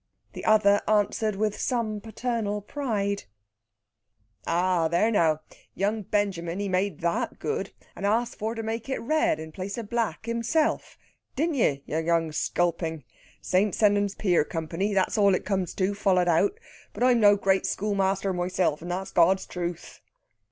The other answered with some paternal pride: "Ah, there now! Young Benjamin, he made that good, and asked for to make it red in place of black himself! Didn't ye, ye young sculping? St. Sennans Pier Company, that's all it comes to, followed out. But I'm no great schoolmaster myself, and that's God's truth."